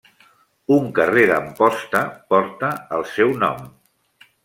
Un carrer d'Amposta porta el seu nom.